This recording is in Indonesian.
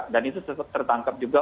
dan itu tetap tertangkap juga